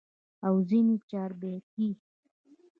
او ځني چاربيتې ئې